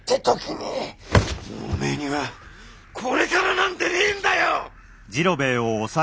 もうおめえにはこれからなんてねえんだよ！